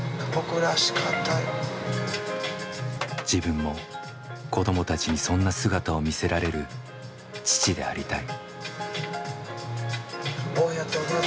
自分も子どもたちにそんな姿を見せられる父でありたい。